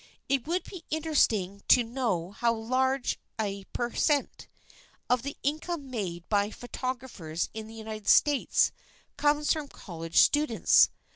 It would be interesting to know how large a per cent. of the income made by photographers in the United States comes from college students.